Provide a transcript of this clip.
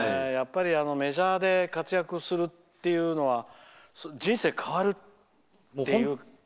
やっぱり、メジャーで活躍するっていうのは人生変わるっていう。